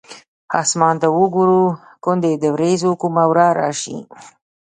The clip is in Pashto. اسمان ته ګورو ګوندې د ورېځو کومه ورا راشي.